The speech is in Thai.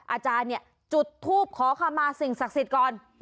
อาจารย์เนี่ยจุดทูปขอคำมาสิ่งศักดิ์สิทธิ์ก่อน